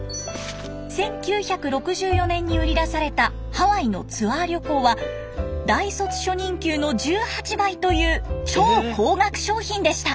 １９６４年に売り出されたハワイのツアー旅行は大卒初任給の１８倍という超高額商品でした。